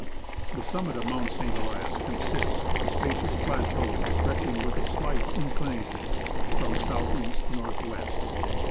The summit of Mount St. Elias consists of a spacious plateau stretching, with a slight inclination, from south east to north west.